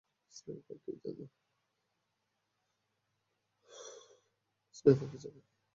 Sniper কী জানো?